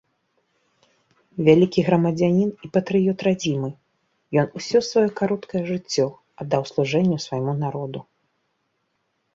Вялікі грамадзянін і патрыёт радзімы, ён усё сваё кароткае жыццё аддаў служэнню свайму народу.